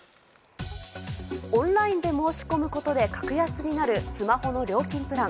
オンラインで申し込むことで格安になるスマホの料金プラン。